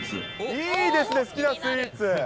いいですね、好きなスイーツ。